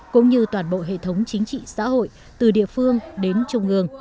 cũng như toàn bộ hệ thống chính trị xã hội từ địa phương đến trung ương